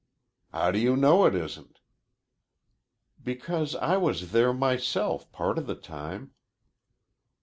"How do you know it isn't?" "Because I was there myself part of the time."